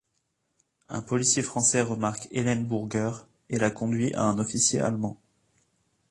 Un policier français remarque Hélène Burger et la conduit à un officier allemand.